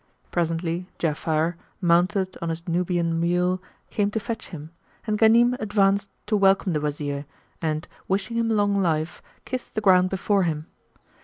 Presently Ja'afar, mounted on his Nubian mule, came to fetch him; and Ghanim advanced to welcome the Wazir and, wishing him long life, kissed the ground before him.